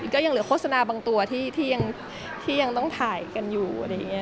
ก็ยังเหลือโฆษณาบางตัวที่ยังต้องถ่ายกันอยู่